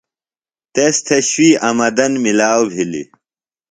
تس تھےۡ شوئی آمدن ملاؤ بِھلیۡ۔